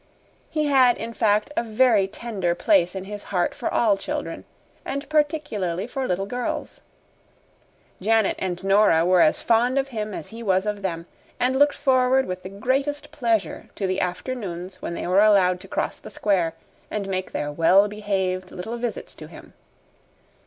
He had, in fact, a very tender place in his heart for all children, and particularly for little girls. Janet and Nora were as fond of him as he was of them, and looked forward with the greatest pleasure to the afternoons when they were allowed to cross the square and make their well behaved little visits to him.